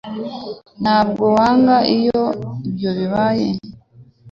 Ntabwo wanga iyo ibyo bibaye